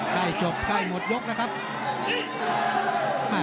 ใกล้จบใกล้หมดยุคนะครับค่ะ